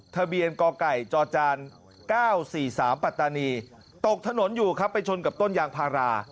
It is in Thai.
ทะเบียนกไก่จจ๙๔๓ปัตตานีตกถนนอยู่ครับไปชนกับต้นยางพารา